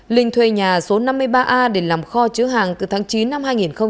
linh thuê nhà số năm mươi ba a để làm kho chứa hàng từ tháng chín năm hai nghìn hai mươi ba